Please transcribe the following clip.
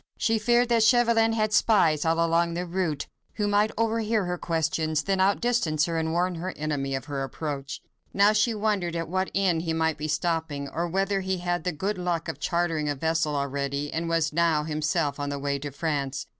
She feared that Chauvelin had spies all along the route, who might overhear her questions, then outdistance her and warn her enemy of her approach. Now she wondered at what inn he might be stopping, or whether he had had the good luck of chartering a vessel already, and was now himself on the way to France.